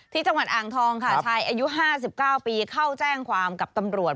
ที่จังหวัดอ่างทองค่ะชายอายุ๕๙ปีเข้าแจ้งความกับตำรวจ